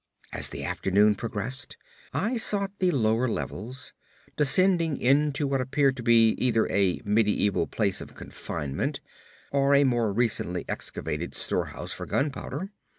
As the afternoon progressed, I sought the lower levels, descending into what appeared to be either a mediaeval place of confinement, or a more recently excavated storehouse for gunpowder.